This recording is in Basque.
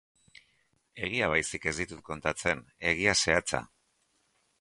Egia baizik ez dizut kontatzen, egia zehatza.